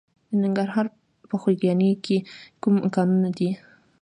د ننګرهار په خوږیاڼیو کې کوم کانونه دي؟